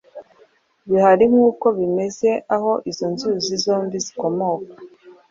bihari nk’uko bimeze aho izo nzuzi zombi zikomoka.